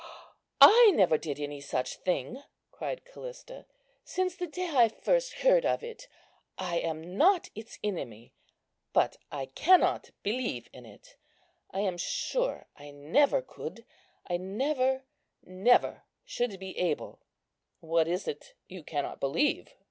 "I never did any such thing," cried Callista, "since the day I first heard of it. I am not its enemy, but I cannot believe in it. I am sure I never could; I never, never should be able." "What is it you cannot believe?"